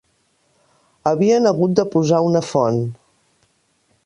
Havien hagut de posar una font